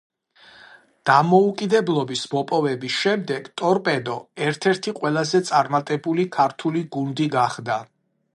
დამოუკიდებლობის მოპოვების შემდეგ „ტორპედო“ ერთ-ერთი ყველაზე წარმატებული ქართული გუნდი გახდა.